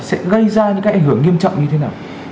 sẽ gây ra những cái ảnh hưởng nghiêm trọng như thế nào